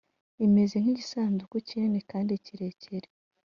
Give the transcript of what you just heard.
imeze nk igisanduku kinini kandi kirekire